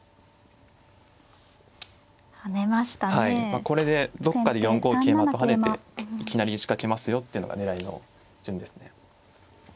まあこれでどっかで４五桂馬と跳ねていきなり仕掛けますよってのが狙いの順ですね。